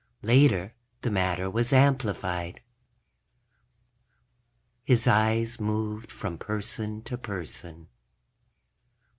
Later the matter was amplified. _... his eyes moved from person to person.